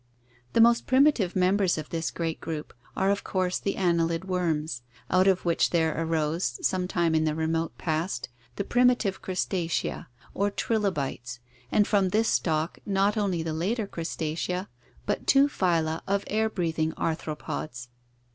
The most primitive members of this great group are of course the annelid worms, out of which there arose, some time in the remote past, the primitive Crustacea or trilobites and from this stock not only the later Crustacea but two phyla of air breathing arthropods.